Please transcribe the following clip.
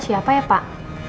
siapa ya pak